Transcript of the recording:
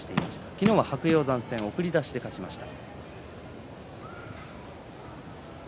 昨日は白鷹山戦送り出しで勝ちました。